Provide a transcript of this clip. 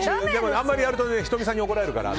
あまりやると仁美さんに怒られるから。